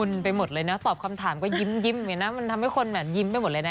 ถ้าเขาชอบมันก็ดีแล้วแหละ